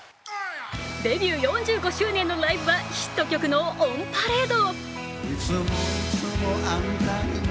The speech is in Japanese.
デビュー４５周年のライブはヒット曲のオンパレード。